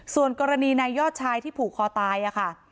ส่วนกรณีนายยอดชายที่ผูกคอตายค่ะ